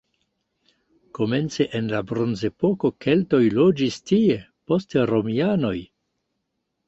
Komence en la bronzepoko keltoj loĝis tie, poste romianoj.